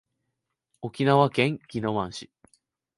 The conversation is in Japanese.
沖縄県宜野湾市